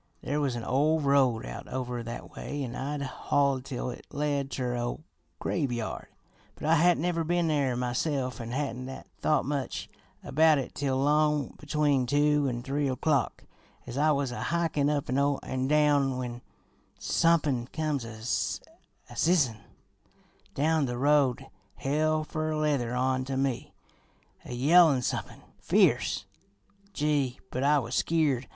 There was an ol' road out over that way, an' I'd hoid tell it led ter a ol' graveyard, but I hadn't never been there myself an' hadn't thought much about it till 'long between two an' three o'clock, as I was a hikin' up an down, when somepin' comes a zizzin' down the road hell fer leather on to me, a yellin' somepin' fierce. Gee, but I was skeered!